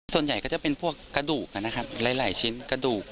ส่วนใหญ่ก็จะเป็นพวกกระดูกนะครับหลายชิ้นกระดูก